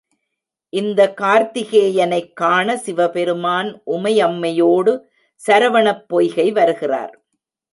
இந்த கார்த்திகேயனைக் காண சிவபெருமான் உமையம்மையோடு சரவணப் பொய்கை வருகிறார்.